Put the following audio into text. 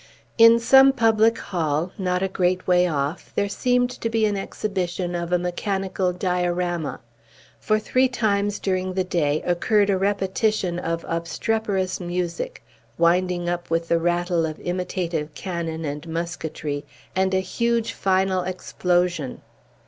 In some public hall, not a great way off, there seemed to be an exhibition of a mechanical diorama; for three times during the day occurred a repetition of obstreperous music, winding up with the rattle of imitative cannon and musketry, and a huge final explosion.